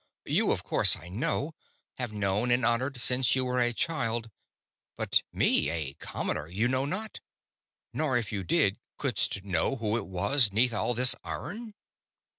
You of course I know; have known and honored since you were a child; but me, a commoner, you know not. Nor, if you did, couldst know who it was neath all this iron?"